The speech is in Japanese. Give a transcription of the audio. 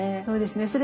そうですね。